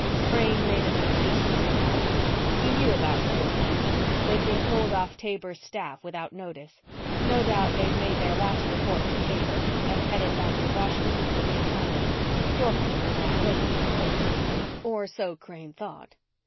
Crane made a notation on a pad. He knew about those men. They'd been pulled off Taber's staff without notice. No doubt they'd made their last report to Taber and had headed back to Washington for reassignment. Dorfman would not know this, of course. Or so Crane thought.